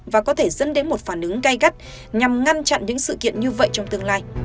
và có thể dẫn đến một phản ứng gây gắt nhằm ngăn chặn những sự kiện như vậy trong tương lai